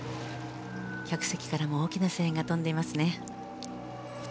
客席からも多くの歓声が飛んでいますね。